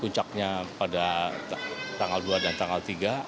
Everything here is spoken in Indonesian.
puncaknya pada tanggal dua dan tanggal tiga